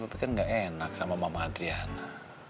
tapi kan gak enak sama mama adriana